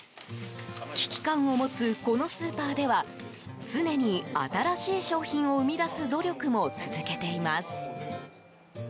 危機感を持つ、このスーパーでは常に新しい商品を生み出す努力も続けています。